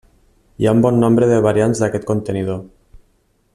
Hi ha un bon nombre de variants d'aquest contenidor.